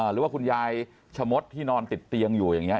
หรือว่าคุณยายชะมดที่นอนติดเตียงอยู่อย่างนี้